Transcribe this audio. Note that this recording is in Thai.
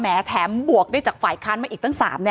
แม้แถมบวกได้จากฝ่ายคันมาอีกตั้ง๓